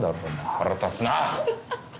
腹立つなぁ！